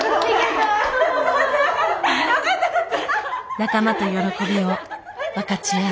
仲間と喜びを分かち合う。